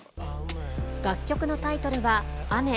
楽曲のタイトルは雨。